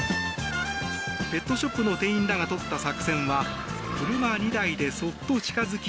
ペットショップの店員らがとった作戦は車２台でそっと近づき